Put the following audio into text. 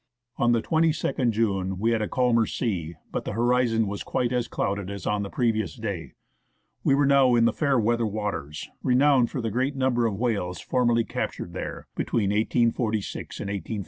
On the 22nd June we had a calmer sea, but the horizon was quite as clouded as on the previous day. We were now in the " Fairweather " waters, renowned for the great number of whales formerly captured there (between 1846 and 185 1).